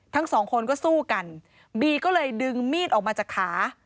ทั้งสองคนก็สู้กันบีก็เลยดึงมีดออกมาจากขา